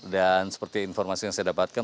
dan seperti informasi yang saya dapatkan